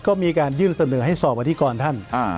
ก็มีการยื่นเสนอให้สอบอธิกรท่าน